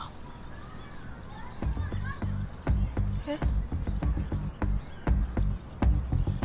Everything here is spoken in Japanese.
えっ？